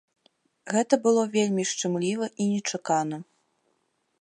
Гэта было вельмі шчымліва і нечакана.